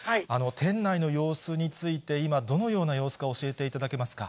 店内の様子について今、どのような様子か、教えていただけますか。